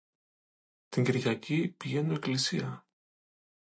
Την Κυριακή πηγαίνω στην εκκλησία.